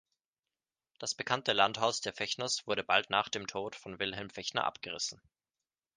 Das bekannte Landhaus der Fechners wurde bald nach dem Tod von Wilhelm Fechner abgerissen.